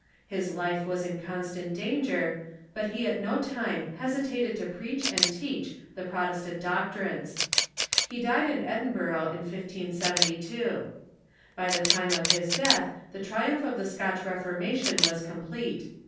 His life was in constant danger, but he at no time hesitated to preach and teach the Px'otestant doctrines. He died in Edin burgh in 1572. By the time of his death the triumph of the Scotch Reformation was complete.